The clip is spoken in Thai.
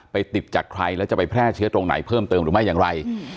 ติดจากใครแล้วจะไปแพร่เชื้อตรงไหนเพิ่มเติมหรือไม่อย่างไร